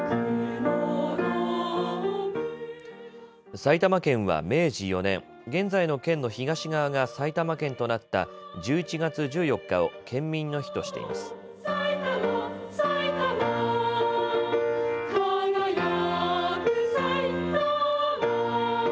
埼玉県は明治４年、現在の県の東側が埼玉県となった１１月１４日を県民の日としています。